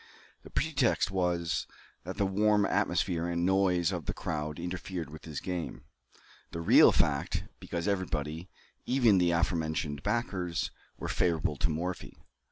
The pretext was, that the warm atmosphere and noise of the crowd interfered with his game; the real fact, because everybody, even the aforementioned backers, were favorable to Morphy.